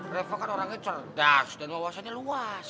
reva kan orangnya cerdas dan wawasannya luas